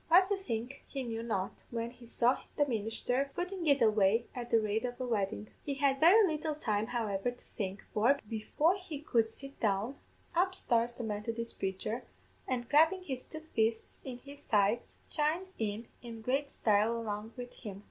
What to think he knew not, when he saw the ministher footing it away at the rate of a weddin'. He had very little time, however, to think; for, before he could sit down, up starts the Methodist praicher, and clappin' his two fists in his sides chimes in in great style along wid him.